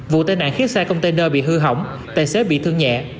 vụ tên ảnh khiếp xe container bị hư hỏng tài xế bị thương nhẹ